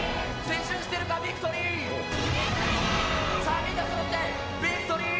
青春してるか、ヴィクトリー！